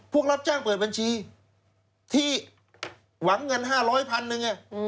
พวกรับจ้างเปิดบัญชีที่หวังเงิน๕๐๐๐๐๐หนึ่งเนี่ย